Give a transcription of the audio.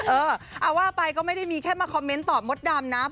เออเอาว่าไปก็ไม่ได้มีแค่มาคอมเมนต์ตอบมดดำนะ